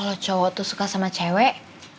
kalau cowok tuh suka sama cewek